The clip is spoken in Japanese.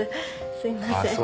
すいません。